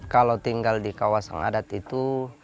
kalau tinggal di kawasan adat itu